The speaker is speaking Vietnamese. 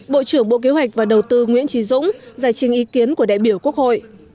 bộ trưởng bộ kế hoạch và đầu tư nguyễn trí dũng giải trình ý kiến của đại biểu quốc hội